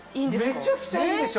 めちゃくちゃいいでしょ？